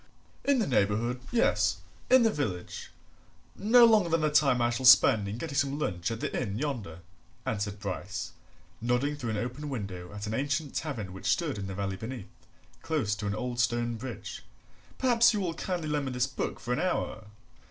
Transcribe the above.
"In the neighbourhood, yes; in the village, no longer than the time I shall spend in getting some lunch at the inn yonder," answered Bryce, nodding through an open window at an ancient tavern which stood in the valley beneath, close to an old stone bridge. "Perhaps you will kindly lend me this book for an hour?